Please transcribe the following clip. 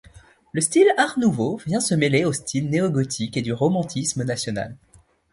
Le style Art nouveau vient se mêler aux styles néogothique et du romantisme national.